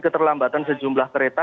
keterlambatan sejumlah kereta